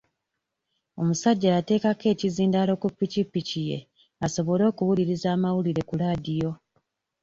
Omusajja yateekako ekizindalo ku piki piki ye asobole okuwuliriza amawulire ku laadiyo.